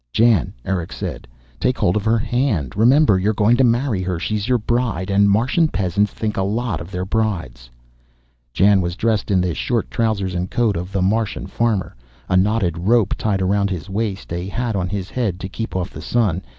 "Jan," Erick said. "Take hold of her hand! Remember, you're going to marry her; she's your bride. And Martian peasants think a lot of their brides." Jan was dressed in the short trousers and coat of the Martian farmer, a knotted rope tied around his waist, a hat on his head to keep off the sun.